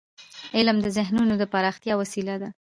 علم د ذهنونو د پراختیا وسیله ده.